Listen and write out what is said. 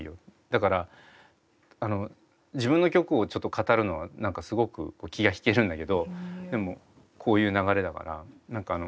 だから自分の曲をちょっと語るのは何かすごく気が引けるんだけどでもこういう流れだから。